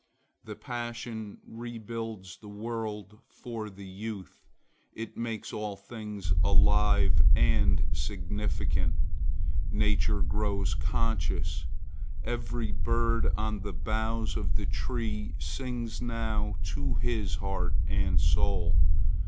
The passion rebuilds the world for the youth. It makes all things alive and significant. Nature grows conscious. Every bird on the boughs of the tree sings now to his heart and soul.